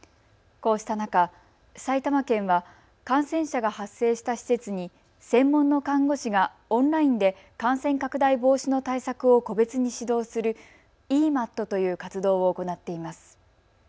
こうした中、埼玉県は感染者が発生した施設に専門の看護師がオンラインで感染拡大防止の対策を個別に指導するｅＭＡＴという活動を行っています。